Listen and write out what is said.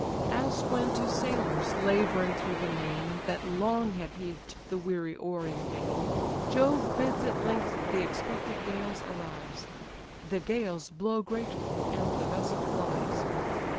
As when to sailors labouring through the main, That long have heaved the weary oar in vain, Jove bids at length the expected gales arise; The gales blow grateful, and the vessel flies.